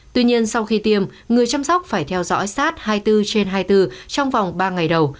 tuy nhiên sau khi tiêm người chăm sóc phải theo dõi sát hai mươi bốn trên hai mươi bốn trong vòng ba ngày đầu